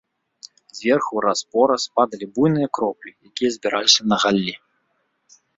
Зверху раз-пораз падалі буйныя кроплі, якія збіраліся на галлі.